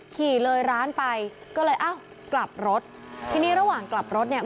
ขี่เลยร้านไปก็เลยอ้าวกลับรถทีนี้ระหว่างกลับรถเนี่ย